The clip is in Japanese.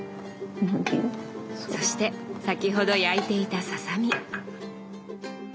そして先ほど焼いていたささみ。